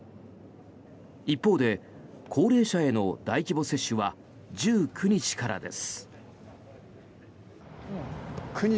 一方で高齢者への大規模接種は１９日からです。